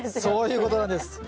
そういうことなんです。